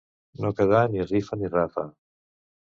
No quedar ni rifa ni rafa.